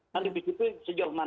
nah di pst itu sejauh mana